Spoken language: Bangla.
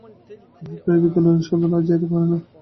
ইহার উপরে ঐ বিজ্ঞানের অনুসন্ধান আর যাইতে পারে না।